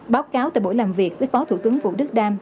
báo cáo tại buổi làm việc với phó thủ tướng vũ đức đam